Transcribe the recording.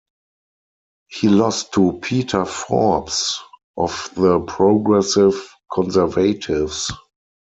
He lost to Peter Forbes of the Progressive Conservatives.